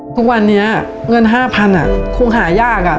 ทุกวันนี้เงิน๕๐๐๐คงหายาก